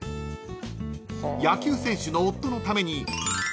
［野球選手の夫のために］